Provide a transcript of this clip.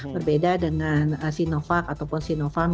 berbeda dengan sinovac ataupun sinovac